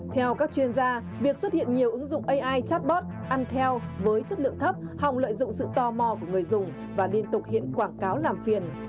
theo các chuyên gia việc xuất hiện nhiều ứng dụng ai chatbot ăn theo với chất lượng thấp hòng lợi dụng sự tò mò của người dùng và liên tục hiện quảng cáo làm phiền